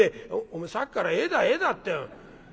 「お前さっきから『絵だ絵だ』って。